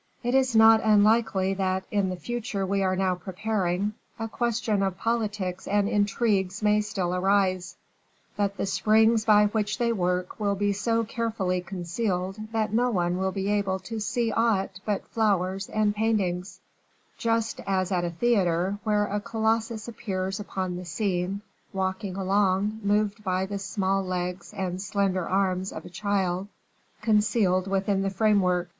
It is not unlikely that, in the future we are now preparing, a question of politics and intrigues may still arise, but the springs by which they work will be so carefully concealed that no one will be able to see aught but flowers and paintings, just as at a theater, where a colossus appears upon the scene, walking along moved by the small legs and slender arms of a child concealed within the framework.